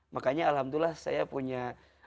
makanya alhamdulillah saya punya